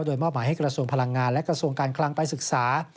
โดยมอบหมายให้กระทรวงพลังงานและกระทรวงการคลังไปศึกษา